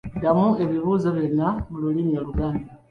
Ddamu ebibuuzo byonna mu lulimi Oluganda.